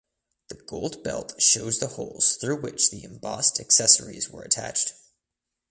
The gold belt shows the holes through which the embossed accessories were attached.